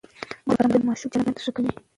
د مور آرامتیا د ماشوم چلند ښه کوي.